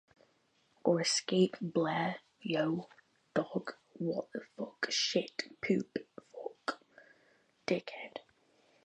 Or escape?